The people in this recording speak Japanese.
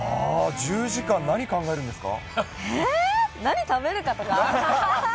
１０時間、何考えるんですか。